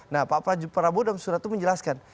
nah pak prabowo dalam surat itu menjelaskan